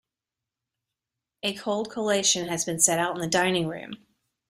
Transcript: A cold collation has been set out in the dining-room.